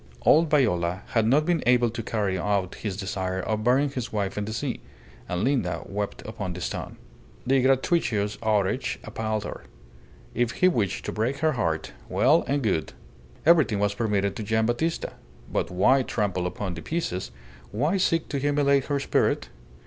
Old Viola had not been able to carry out his desire of burying his wife in the sea; and Linda wept upon the stone. The gratuitous outrage appalled her. If he wished to break her heart well and good. Everything was permitted to Gian' Battista. But why trample upon the pieces; why seek to humiliate her spirit?